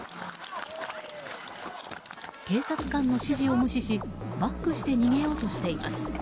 警察官の指示を無視しバックして逃げようとしています。